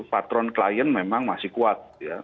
patron klien memang masih kuat